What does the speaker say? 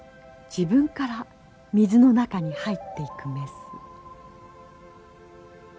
自分から水の中に入っていくメス。